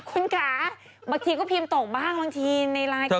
คุณคะบางทีก็พิมพ์ตกบ้างบางทีในไลน์ก็